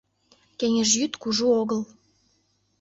Кеҥеж йӱд кужу огыл!..